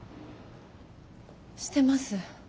してます。